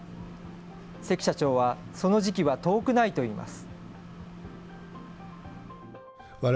関社長は、その時期は遠くないといいます。